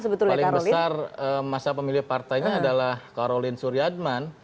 karena yang paling besar masa pemilih partainya adalah karolin surya adman